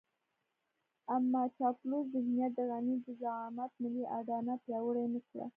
اما چاپلوس ذهنيت د غني د زعامت ملي اډانه پياوړې نه کړه.